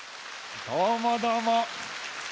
どうもどうも。